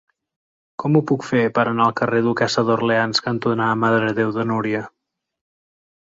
Com ho puc fer per anar al carrer Duquessa d'Orleans cantonada Mare de Déu de Núria?